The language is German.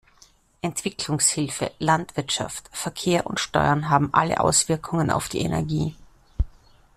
Entwicklungshilfe, Landwirtschaft, Verkehr und Steuern haben alle Auswirkungen auf die Energie.